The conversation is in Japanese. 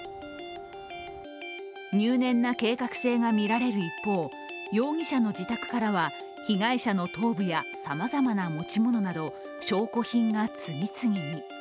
入念な計画性がみられる一方、容疑者の自宅からは被害者の頭部やさまざまな持ち物など、証拠品が次々に。